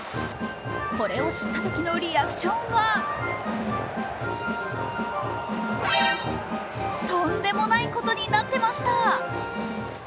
これを知ったときのリアクションはとんでもないことになってました。